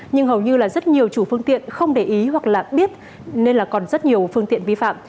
nhưng hầu như là rất nhiều chủ phương tiện không để ý hoặc là biết nên là còn rất nhiều phương tiện vi phạm